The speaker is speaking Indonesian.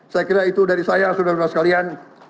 saya kira itu dari saya saudara saudara sekalian